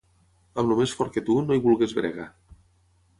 Amb el més fort que tu, no hi vulguis brega.